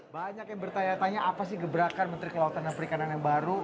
banyak yang bertanya tanya apa sih gebrakan menteri kelautan dan perikanan yang baru